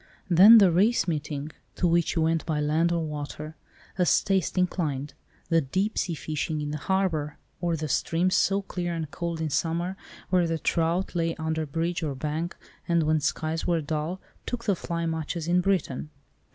Then the race meeting, to which you went by land or water, as taste inclined. The deep sea fishing in the harbour, or the streams so clear and cold in summer, where the trout lay under bridge or bank, and when skies were dull, took the fly much as in Britain.